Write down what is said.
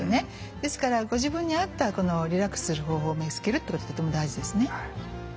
ですからご自分に合ったこのリラックスする方法を見つけるってこととても大事ですね。